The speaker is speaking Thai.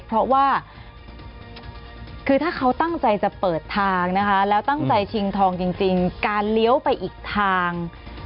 เพราะว่าคือถ้าเขาตั้งใจจะเปิดทางนะคะแล้วตั้งใจชิงทองจริงการเลี้ยวไปอีกทาง